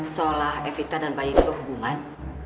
seolah evita dan bayi itu berhubungan